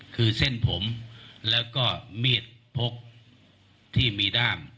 คือเส้นผมแล้วก็มีดพกที่มีด้าม